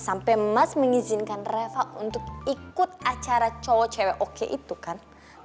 sampai mas mengizinkan reva untuk ikut acara cowok cewek oke itu kan